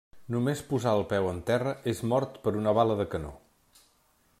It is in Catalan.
Només posar el peu en terra, és mort per una bala de canó.